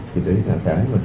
thì đấy là cái